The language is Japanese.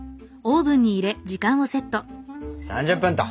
３０分と。